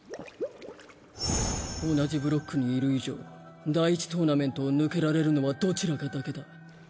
同じブロックにいる以上第１トーナメントを抜けられるのはどちらかだけだ。